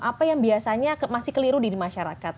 apa yang biasanya masih keliru di masyarakat